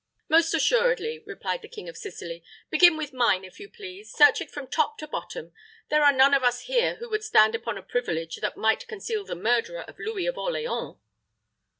"Most assuredly," replied the King of Sicily. "Begin with mine, if you please. Search it from top to bottom. There are none of us here who would stand upon a privilege that might conceal the murderer of Louis of Orleans."